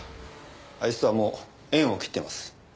あいつとはもう縁を切っています。